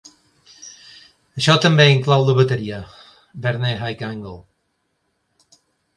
Això també inclou la bateria Verne High Angle.